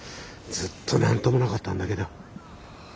ずっと何ともなかったんだけど。